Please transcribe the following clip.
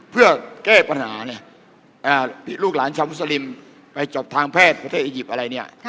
เพื่อแก้ปัญหาเนี่ยลูกหลานชาวมุสลิมไปจบทางแพทย์ประเทศอียิปต์อะไรเนี่ย